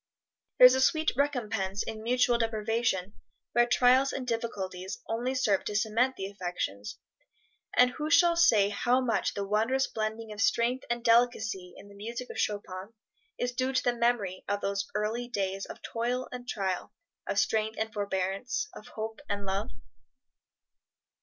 There is a sweet recompense in mutual deprivation where trials and difficulties only serve to cement the affections; and who shall say how much the wondrous blending of strength and delicacy in the music of Chopin is due to the memory of those early days of toil and trial, of strength and forbearance, of hope and love?